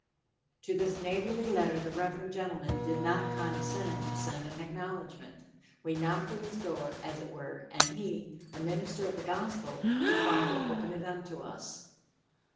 To this neighborly letter the reverend gentleman did not condescend to send an acknowledgment. We knocked at his door, as it were, and he, a minister of the Gospel, declined to open it unto us.